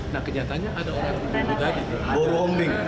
nah kenyataannya ada orang minum kopi tadi